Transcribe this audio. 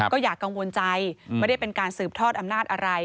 ก็อย่ากังวลใจไม่ได้เป็นการสืบทอดอำนาจอะไร